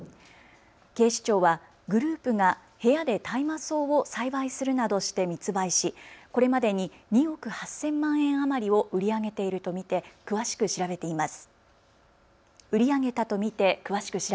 警視庁はグループが部屋で大麻草を栽培するなどして密売し、これまでに２億８０００万円余りを売り上げたと見て詳しく調べています。